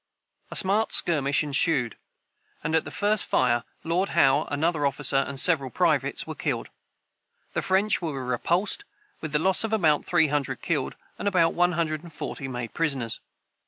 A smart skirmish ensued, and, at the first fire, Lord Howe, another officer, and several privates, were killed. The French were repulsed, with a loss of about three hundred killed, and one hundred and forty made prisoners.